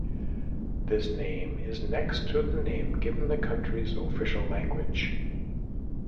This name is next to the name given the country's official language.